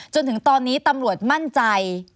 จนถึงตอนนี้ตำรวจมั่นใจ